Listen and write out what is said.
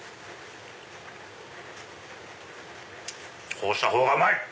こうした方がうまい！